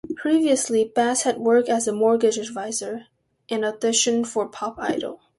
Previously, Bass had worked as a mortgage adviser, and auditioned for Pop Idol.